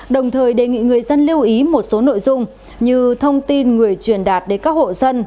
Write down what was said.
đồng thời đề nghị người dân lưu ý một số nội dung như thông tin người truyền đạt đến các hộ dân